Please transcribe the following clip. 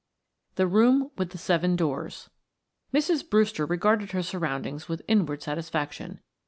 THE ROOM WITH THE SEVEN DOORS Mrs. Brewster regarded her surroundings with inward satisfaction.